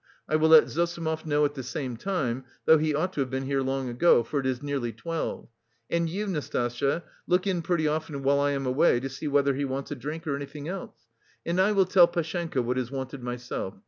I will let Zossimov know at the same time, though he ought to have been here long ago, for it is nearly twelve. And you, Nastasya, look in pretty often while I am away, to see whether he wants a drink or anything else. And I will tell Pashenka what is wanted myself.